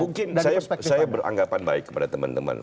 mungkin saya beranggapan baik kepada teman teman